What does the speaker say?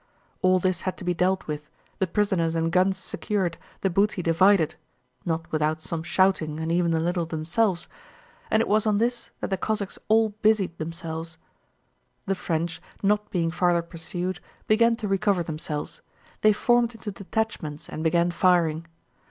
All this had to be dealt with, the prisoners and guns secured, the booty divided—not without some shouting and even a little fighting among themselves—and it was on this that the Cossacks all busied themselves. The French, not being farther pursued, began to recover themselves: they formed into detachments and began firing.